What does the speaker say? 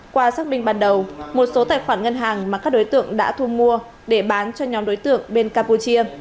qua xác minh ban đầu một số tài khoản ngân hàng mà các đối tượng đã thu mua để bán cho nhóm đối tượng bên campuchia